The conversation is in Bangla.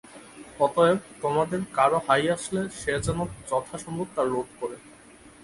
অতএব, তোমাদের কারো হাই আসলে, সে যেন যথাসম্ভব তা রোধ করে।